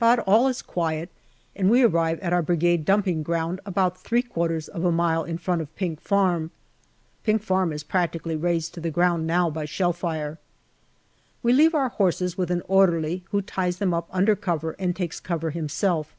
But all is quiet, and we arrive at our Brigade dumping ground, about three quarters of a mile in front of Pink Farm. (Pink Farm is practically razed to the ground now by shell fire.) We leave our horses with an orderly, who ties them up under cover and takes cover himself.